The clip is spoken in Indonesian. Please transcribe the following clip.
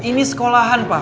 ini sekolahan pak